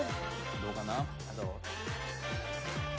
どうかな？